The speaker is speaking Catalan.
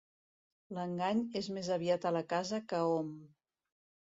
L'engany és més aviat a la casa que hom.